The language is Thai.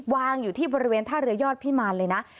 วางอยู่ที่บริเวณท่าเรือยอดพิมารเลยนะ